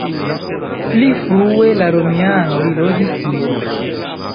Pli frue la romianoj loĝis tie.